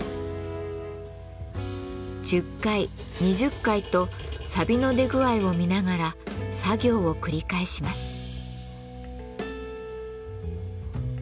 １０回２０回とさびの出具合を見ながら作業を繰り返します。